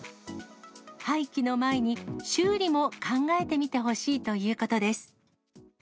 廃棄の前に、修理も考えてみてほしいということです。